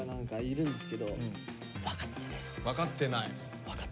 分かってない。